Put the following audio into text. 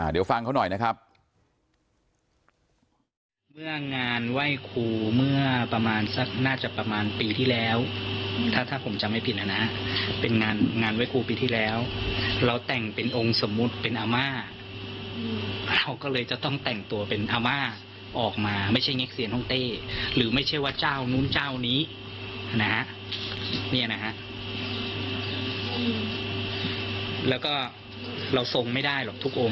เดี๋ยวฟังเขาหน่อยนะครับ